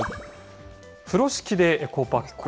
風呂敷でエコバッグ。